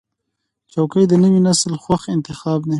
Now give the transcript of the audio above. چوکۍ د نوي نسل خوښ انتخاب دی.